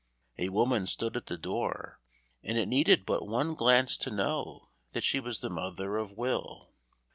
A woman stood at the door, and it needed but one glance to know that she was the mother of Will.